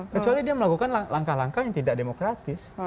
kecuali dia melakukan langkah langkah yang tidak demokratis